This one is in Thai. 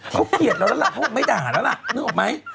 เขาเกลียดเราแล้วล่ะเขาไม่ด่าแล้วล่ะนึกออกไหม